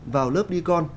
vào lớp đi con